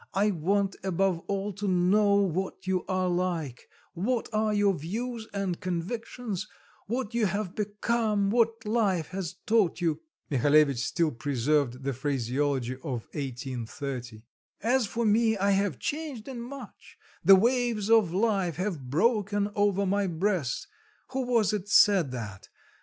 I want above all to know what you are like, what are your views and convictions, what you have become, what life has taught you." (Mihalevitch still preserved the phraseology of 1830.) "As for me, I have changed in much; the waves of life have broken over my breast who was it said that?